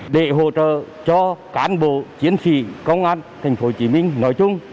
để hỗ trợ cho cán bộ chiến sĩ công an thành phố hồ chí minh nói chung